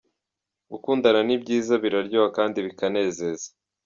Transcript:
Gukundana ni byiza, biraryoha kandi bikanezeza.